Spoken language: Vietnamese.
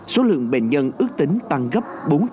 số lượng bệnh nhân ước tính tăng gấp bốn trăm linh